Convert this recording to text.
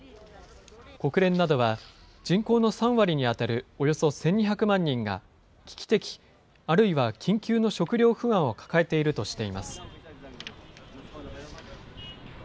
国連などは、人口の３割に当たるおよそ１２００万人が危機的、あるいは緊急の食糧不安を抱えているとしています。